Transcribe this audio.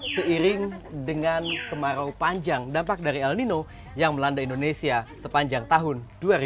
seiring dengan kemarau panjang dampak dari el nino yang melanda indonesia sepanjang tahun dua ribu dua puluh